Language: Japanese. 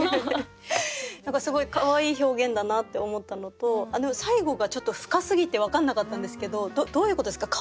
何かすごいかわいい表現だなって思ったのとでも最後がちょっと深すぎて分かんなかったんですけどどういうことですか？